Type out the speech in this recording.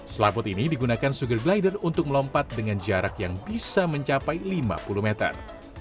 selaput ini digunakan sugar glider untuk melompat dengan jarak yang bisa mencapai lima puluh meter